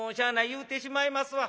言うてしまいますわ。